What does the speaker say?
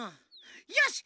よし！